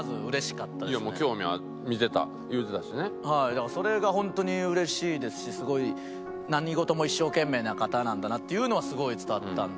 だからそれが本当にうれしいですしすごい何事も一生懸命な方なんだなっていうのはすごい伝わったんで。